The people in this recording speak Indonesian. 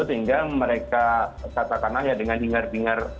sehingga mereka katakanlah ya dengan ingat ingat